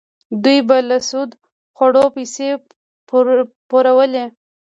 دوی به له سودخورو پیسې پورولې.